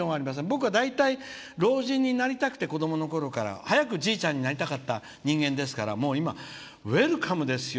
僕は老人になりたくて子供のころから早くじいちゃんになりたかった人間ですからウェルカムですよ。